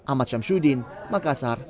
ahmad syamsuddin makassar